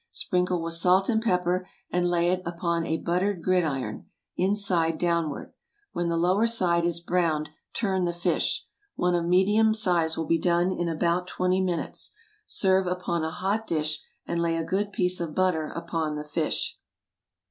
Sprinkle with salt and pepper, and lay it upon a buttered gridiron, inside downward. When the lower side is browned, turn the fish. One of medium size will be done in about twenty minutes. Serve upon a hot dish, and lay a good piece of butter upon the fish.